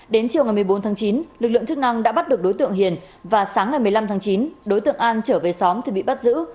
đến chiều ngày một mươi bốn tháng chín lực lượng chức năng đã bắt được đối tượng hiền và sáng ngày một mươi năm tháng chín đối tượng an trở về xóm thì bị bắt giữ